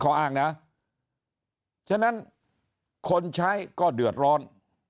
เขาอ้างนะฉะนั้นคนใช้ก็เดือดร้อน